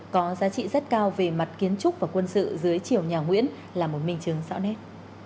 có giá trị rất cao về mặt kiến trúc và quân sự dưới chiều nhà nguyễn là một minh chứng rõ nét